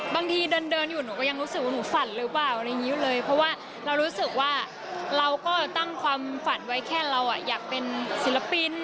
บางทีเดินเดินอยู่หนูก็ยังรู้สึกว่าหนูฝันหรือเปล่าอะไรอย่างนี้อยู่เลยเพราะว่าเรารู้สึกว่าเราก็ตั้งความฝันไว้แค่เราอ่ะอยากเป็นศิลปิน